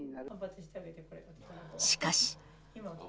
しかし。